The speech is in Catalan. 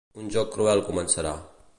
Un joc cruel començarà.